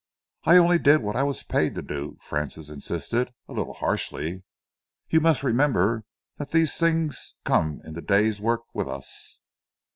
"I only did what I was paid to do," Francis insisted, a little harshly. "You must remember that these things come in the day's work with us."